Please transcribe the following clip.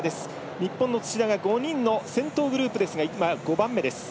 日本の土田が５人の先頭グループですが５番目です。